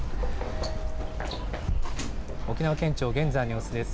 沖縄県庁、現在の様子です。